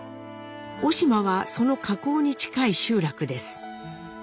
小島はその河口に近い集落です。